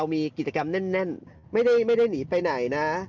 มีกิจกรรมแน่นไม่ได้หนีไปไหนนะ